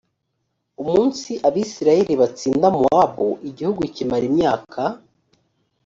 umunsi abisirayeli batsinda mowabu igihugu kimara imyaka